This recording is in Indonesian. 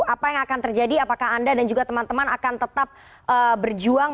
apa yang akan terjadi apakah anda dan juga teman teman akan tetap berjuang